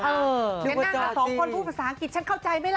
เดี๋ยวนั่งกันสองคนพูดภาษาอังกฤษฉันเข้าใจไหมล่ะ